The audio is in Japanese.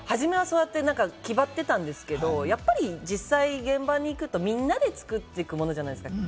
初めはそうやって気張ってたんですけれども、やっぱり実際、現場に行くと、みんなで作っていくものじゃないですか。